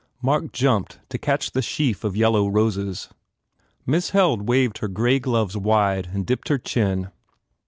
Mark jumped to catch the sheaf of yellow roses. Miss Held waved her grey gloves wide and dipped her chin.